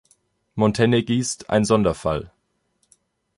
Montenegist ein Sonderfall.